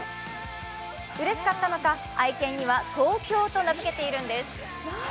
うれしかったのか、愛犬には東京と名付けているんです。